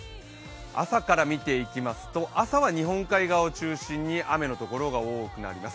朝から見ていきますと、朝は日本海側を中心に雨のところが多くなります。